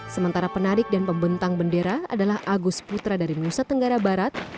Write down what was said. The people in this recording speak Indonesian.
sementara penarik dan pembentang bendera adalah agus putra dari nusa tenggara barat